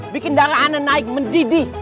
bikin darah anda naik mendidih